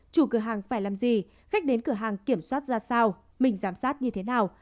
chủ cửa hàng phải làm gì khách đến cửa hàng kiểm soát ra sao mình giám sát như thế nào